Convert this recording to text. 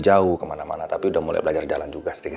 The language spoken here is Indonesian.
kau khawatir kan kan gak